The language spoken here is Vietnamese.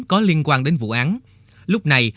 có liên quan đến vụ án lúc này